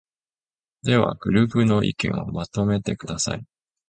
では、グループの意見をまとめてください。